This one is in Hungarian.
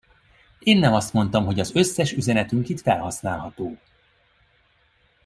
Én nem azt mondtam, hogy az összes üzenetünk itt felhasználható.